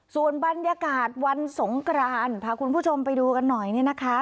ส่วนบรรยากาศวันสงกรานพาคุณผู้ชมไปดูกันหน่อยเนี่ยนะคะ